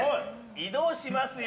移動しますよ。